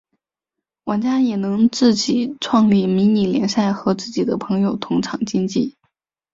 玩家也能自己创立迷你联赛和自己的朋友同场竞技。